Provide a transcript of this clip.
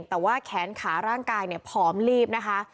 แต่ว่าแขนขาร่างกายเนี่ยผอมลีบนะคะ